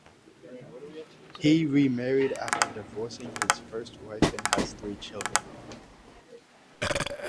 He remarried after divorcing his first wife and has three children.